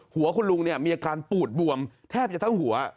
หัวคุณลุงมีอาการปูดบวมแทบจะทั้งหัว